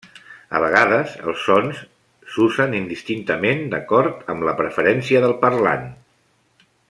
A vegades, els sons i s'usen indistintament d'acord amb la preferència del parlant.